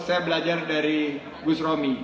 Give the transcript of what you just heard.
saya belajar dari gus romi